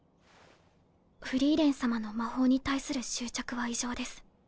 フリーレン様の魔法に対する執着は異常です。